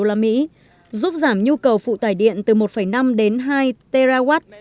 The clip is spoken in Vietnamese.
giúp giảm nhu cầu phụ tải điện từ một năm đến hai twt